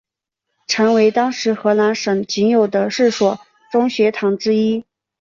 成为当时河南省仅有的四所中学堂之一。